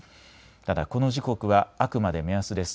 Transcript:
ただこの時刻はあくまで目安です。